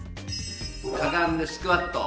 かがんでスクワット。